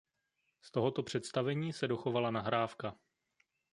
Z tohoto představení se dochovala nahrávka.